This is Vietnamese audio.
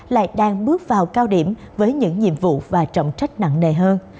lại đang bước vào cao điểm với những nhiệm vụ và trọng trách nặng nề hơn